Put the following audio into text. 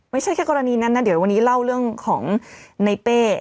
ไม่ใช่แค่กรณีนั้นนะเดี๋ยววันนี้เล่าเรื่องของในเป้